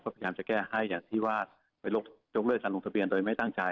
พยายามจะแก้ให้อย่างที่ว่าไปยกเลิกการลงทะเบียนโดยไม่ตั้งใจ